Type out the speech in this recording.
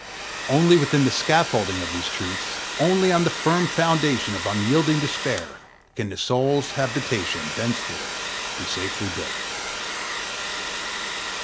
Only within the scaffolding of these truths, only on the firm foundation of unyielding despair, can the soul's habitation henceforth be safely built.